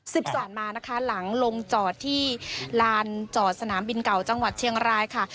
สารมานะคะหลังลงจอดที่ลานจอดสนามบินเก่าจังหวัดเชียงรายค่ะ